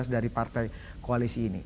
dari partai koalisi ini